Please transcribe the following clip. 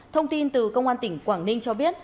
thông tin từ công an tỉnh quảng ninh cho biết